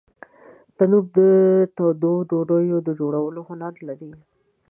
تنور د تودو ډوډیو د جوړولو هنر لري